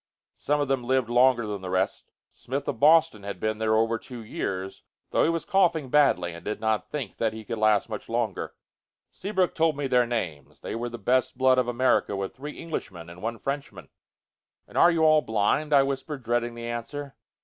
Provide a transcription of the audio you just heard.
Some of them lived longer than the rest. Smith of Boston had been there over two years, though he was coughing badly and did not think that he could last much longer. Seabrook told me their names. They were the best blood of America, with three Englishmen and one Frenchman. "And are you all blind?" I whispered, dreading the answer.